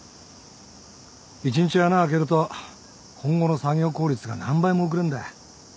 １日穴あけると今後の作業効率が何倍も遅れんだ。